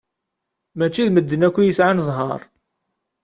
Mačči d medden akk i yesɛan zzher.